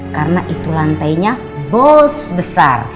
karena itu lantainya bos besar